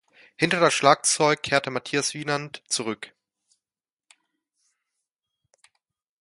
Hinter das Schlagzeug kehrte Mathias Wienand zurück.